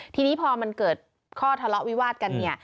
ทีนี้พอมันเกิดข้อทะเลาะวิวาดกันเนี่ย